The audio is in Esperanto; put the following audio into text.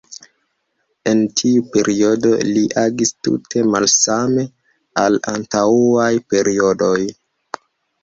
En tiu periodo, li agis tute malsame al antaŭaj periodoj.